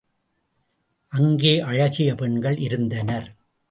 அங்கே அழகிய பெண்கள் இருந்தனர்.